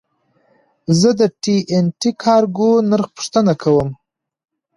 زه د ټي این ټي کارګو نرخ پوښتنه کوم.